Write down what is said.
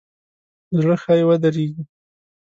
زړه ښایي ودریږي.